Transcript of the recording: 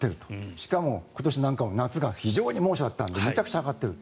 しかも今年なんかは夏が非常に猛暑だったのでめちゃくちゃ上がっていると。